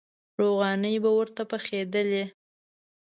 روغانۍ به ورته پخېدلې.